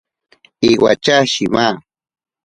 Iwatya shima.